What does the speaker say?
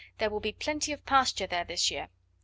there will be plenty of pasture there this year."